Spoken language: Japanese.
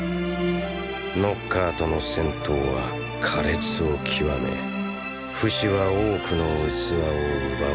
ノッカーとの戦闘は苛烈を極めフシは多くの器を奪われる。